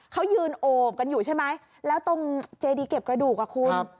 เขายืนโอบกันอยู่ใช่ไหมแล้วตรงเจดีเก็บกระดูกอ่ะคุณ